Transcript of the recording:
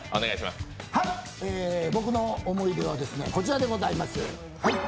僕の思い出はこちらでございます。